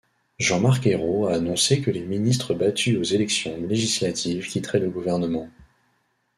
Jean-Marc Ayrault a annoncé que les ministres battus aux élections législatives quitteraient le gouvernement.